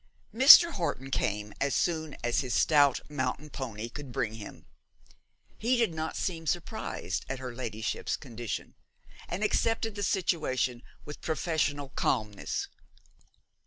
Mr. Horton came, as soon as his stout mountain pony could bring him. He did not seem surprised at her ladyship's condition, and accepted the situation with professional calmness.